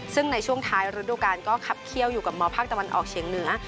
ซึ่งในช่วงท้ายฤดูกาลก็ขับเคี่ยวอยู่กับมภาคตะวันออกเฉียงเหนือ